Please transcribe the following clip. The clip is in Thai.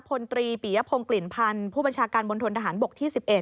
พลตรีปียพงศ์กลิ่นพันธ์ผู้บัญชาการมณฑนทหารบกที่๑๑